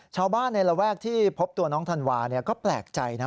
ชาวบ้านในระแวกที่พบตัวน้องธันวาก็แปลกใจนะ